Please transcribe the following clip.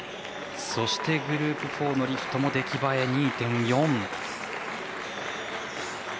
そして、グループ４のリフトも出来栄え２．４。